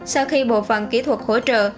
sau khi bộ phận kỹ thuật hỗ trợ